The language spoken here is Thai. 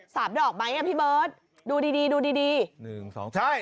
ดอกไหมอ่ะพี่เบิร์ตดูดีดีดูดีดีหนึ่งสองใช่